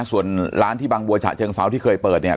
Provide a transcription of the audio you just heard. ส่วนร้านที่บางบัวฉะเชิงเซาที่เคยเปิดเนี่ย